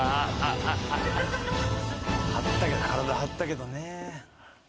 張ったけど体張ったけどね。